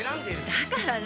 だから何？